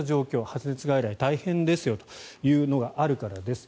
発熱外来、大変ですよというのがあるからです。